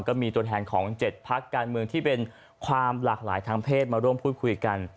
ก็มีตัวแทนของ๗พักการเมืองที่เป็นความหลากหลายทางเพศมาร่วมพูดคุยกัน